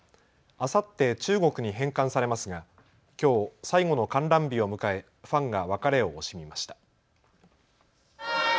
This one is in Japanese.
あさって中国に返還されますがきょう最後の観覧日を迎えファンが別れを惜しみました。